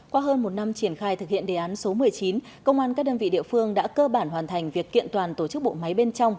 qua hơn một năm triển khai thực hiện đề án số một mươi chín công an các đơn vị địa phương đã cơ bản hoàn thành việc kiện toàn tổ chức bộ máy bên trong